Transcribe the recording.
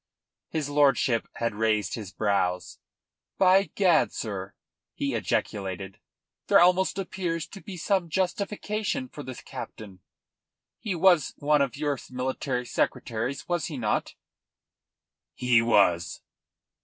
His lordship had raised his brows. "By gad, sir," he ejaculated, "there almost appears to be some justification for the captain. He was one of your military secretaries, was he not?" "He was."